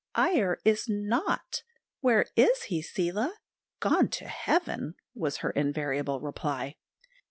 "Iyer is not!" "Where is he, Seela?" "Gone to Heaven!" was her invariable reply.